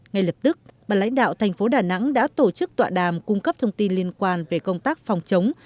ngay lập tức bà lãnh đạo thành phố đà nẵng đã tổ chức tọa đàm cung cấp thông tin liên quan về công tác phòng chống